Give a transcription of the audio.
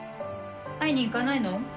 会いに行かないの？